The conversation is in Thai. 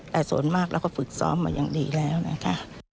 แต่ส่วนมากเราก็ฝึกซ้อมมาอย่างดีแล้วนะคะ